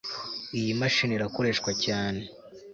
Iyi mashini irakoreshwa cyane